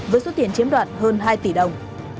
với số tiền chiếm đoàn hơn hai tỷ đồng